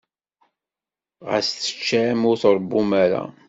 Ɣas teččam, ur tṛewwum ara.